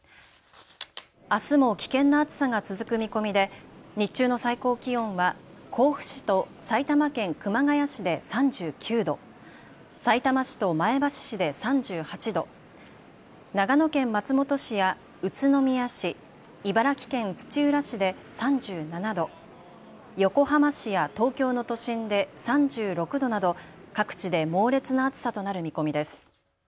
あすも危険な暑さが続く見込みで日中の最高気温は甲府市と埼玉県熊谷市で３９度、さいたま市と前橋市で３８度、長野県松本市や宇都宮市、茨城県土浦市で３７度、横浜市や東京の都心で３６度など各地で猛烈な暑さとなる見込みです。